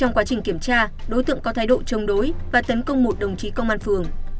trong quá trình kiểm tra đối tượng có thái độ chống đối và tấn công một đồng chí công an phường